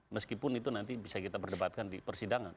meskipun itu nanti bisa kita berdebatkan di persidangan